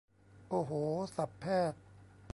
โอ้โห ศัพท์แพทย์